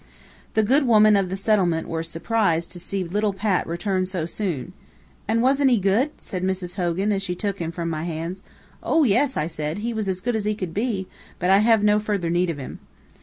The good women of the settlement were surprised to see little Pat return so soon. "An' wasn't he good?" said Mrs. Hogan as she took him from my hands. "Oh, yes!" I said. "He was as good as he could be. But I have no further need of him."